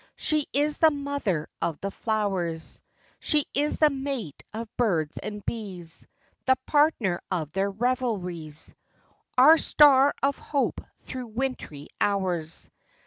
She is the mother of the flowers ; She is the mate of birds and bees, The partner of their revelries, Our star of hope through wintry hours.